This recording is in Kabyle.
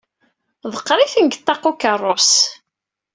Ḍeqqer-iten deg ṭṭaq ukeṛṛus.